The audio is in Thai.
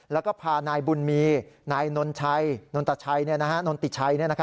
แล้วก็พานายบุญมีนายนนทิชัย